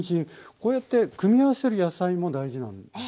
こうやって組み合わせる野菜も大事なんですね。